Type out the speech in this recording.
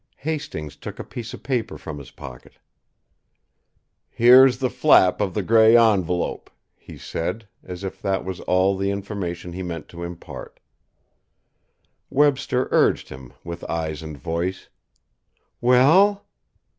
Hastings took a piece of paper from his pocket. "Here's the flap of the grey envelope," he said, as if that was all the information he meant to impart. Webster urged him, with eyes and voice: "Well?"